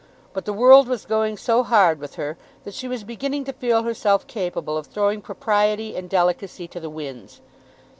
But the world was going so hard with her, that she was beginning to feel herself capable of throwing propriety and delicacy to the winds.